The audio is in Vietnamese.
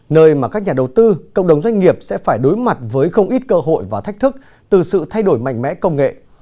nơi mà các nhà đầu tư cộng đồng doanh nghiệp sẽ phải đối mặt với không ít cơ hội và thách thức từ sự thay đổi mạnh mẽ công nghệ